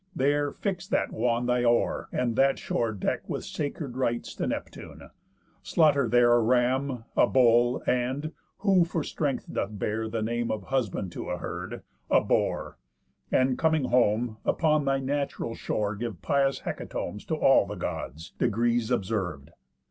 There fix that wan thy oar, and that shore deck With sacred rites to Neptune; slaughter there A ram, a bull, and (who for strength doth bear The name of husband to a herd) a boar. And, coming home, upon thy natural shore, Give pious hecatombs to all the Gods, Degrees observ'd.